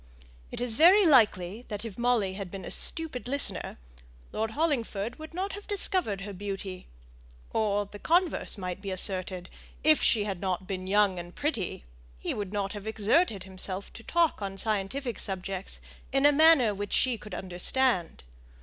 It is very likely that if Molly had been a stupid listener, Lord Hollingford would not have discovered her beauty; or the converse might be asserted if she had not been young and pretty, he would not have exerted himself to talk on scientific subjects in a manner which she could understand.